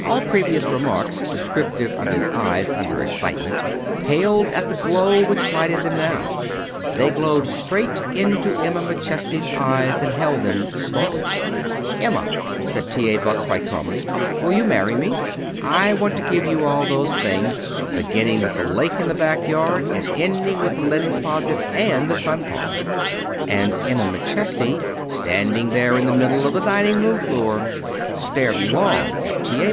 All previous remarks descriptive of his eyes under excitement paled at the glow which lighted them now. They glowed straight into Emma McChesney's eyes and held them, startled. "Emma," said T. A. Buck quite calmly, "will you marry me? I want to give you all those things, beginning with the lake in the back yard and ending with the linen closets and the sun parlor." And Emma McChesney, standing there in the middle of the dining room floor, stared long at T. A.